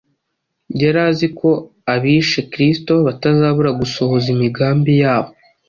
yari azi ko abishe Kristo batazabura gusohoza imigambi yabo.